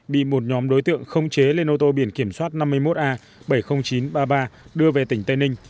bị một nhóm đối tượng không chế lên ô tô biển kiểm soát năm mươi một a bảy mươi nghìn chín trăm ba mươi ba đưa về tỉnh tây ninh